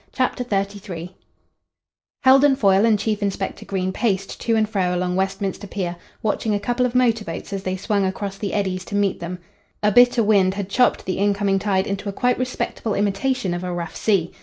CHAPTER XXXIII Heldon Foyle and Chief Inspector Green paced to and fro along Westminster Pier watching a couple of motor boats as they swung across the eddies to meet them. A bitter wind had chopped the incoming tide into a quite respectable imitation of a rough sea.